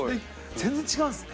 全然違うんですね。